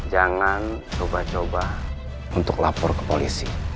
jangan coba coba untuk lapor ke polisi